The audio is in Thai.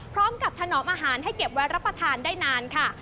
ถนอมอาหารให้เก็บไว้รับประทานได้นานค่ะ